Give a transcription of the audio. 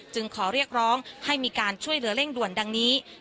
ขอเรียกร้องให้มีการช่วยเหลือเร่งด่วนดังนี้